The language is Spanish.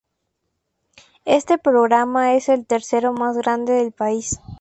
Este programa es el tercero más grande del país.